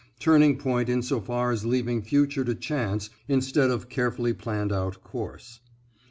Turning point insofar as leaving future to chance instead of carefully planned out course